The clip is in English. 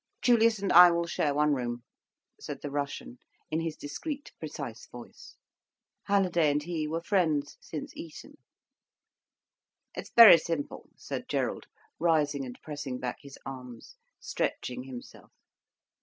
"Julius and I will share one room," said the Russian in his discreet, precise voice. Halliday and he were friends since Eton. "It's very simple," said Gerald, rising and pressing back his arms, stretching himself.